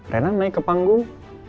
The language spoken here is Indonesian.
rena naik ke panggung